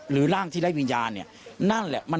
ร่างที่ไร้วิญญาณเนี่ยนั่นแหละ